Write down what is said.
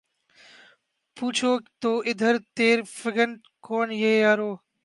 پوچھو تو ادھر تیر فگن کون ہے یارو